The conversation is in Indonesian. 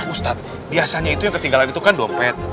ustadz biasanya itu yang ketinggalan itu kan dompet